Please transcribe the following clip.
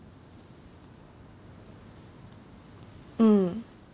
うん。